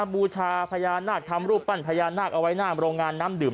บูชาพญานาคทำรูปปั้นพญานาคเอาไว้หน้าโรงงานน้ำดื่ม